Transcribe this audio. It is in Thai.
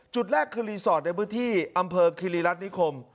จุดแรกคือรีสอร์ทในพื้นที่อำเภอคิริรัตนิคม